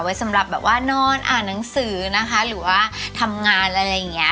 สำหรับแบบว่านอนอ่านหนังสือนะคะหรือว่าทำงานอะไรอย่างนี้